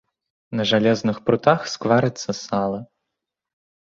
На жалезных прутах скварыцца сала.